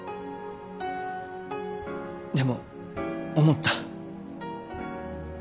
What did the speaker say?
でも思った。